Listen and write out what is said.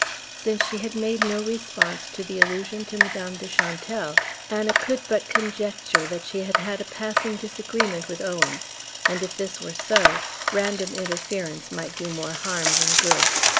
Since she had made no response to the allusion to Madame de Chantelle, Anna could but conjecture that she had had a passing disagreement with Owen; and if this were so, random interference might do more harm than good.